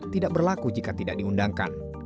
tidak berlaku jika tidak diundangkan